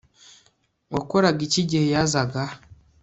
Wakoraga iki igihe yazaga